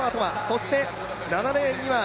そして７レーンには、